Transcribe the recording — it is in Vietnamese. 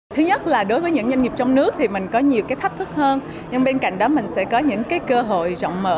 thứ nhất là đối với những doanh nghiệp trong nước thì mình có nhiều cái thách thức hơn nhưng bên cạnh đó mình sẽ có những cái cơ hội rộng mở